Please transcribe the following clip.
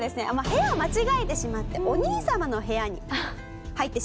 部屋を間違えてしまってお兄様の部屋に入ってしまったんですね。